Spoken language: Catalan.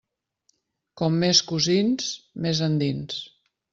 Com més cosins, més endins.